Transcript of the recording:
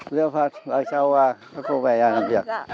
giờ mà sao các cô về làm việc